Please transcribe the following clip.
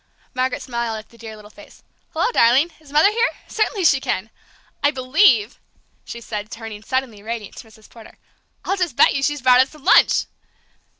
Margaret smiled at the eager little face. "Hello, darling! Is Mother here? Certainly she can! I believe," she said, turning, suddenly radiant, to Mrs. Porter, "I'll just bet you she's brought us some lunch!"